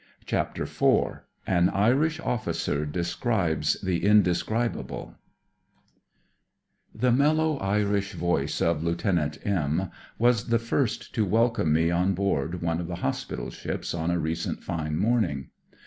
CHAPTER IV AN IRISH OFFICER DESCRIBES THE INDESCRIBABLE The mellow Irish voice of Lieut. M was the first to welcome me on board one of the hospital ships on a recent fine mommg.